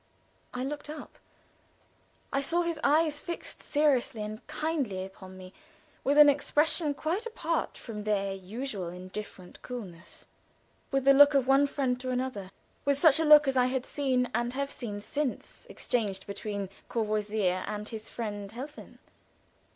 I looked up. I saw his eyes fixed seriously and kindly upon me with an expression quite apart from their usual indifferent coolness with the look of one friend to another with such a look as I had seen and have since seen exchanged between Courvoisier and his friend Helfen.